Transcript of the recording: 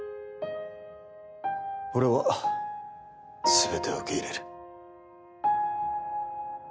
俺は全てを受け入れる。